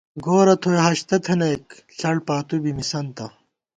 گورہ تھوئی ہاشتہ تھنَئیک ݪڑ پاتُو بی مِسنتہ